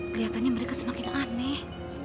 keliatannya mereka semakin aneh